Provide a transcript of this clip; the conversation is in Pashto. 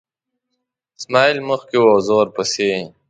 اسماعیل مخکې و او زه ورپسې.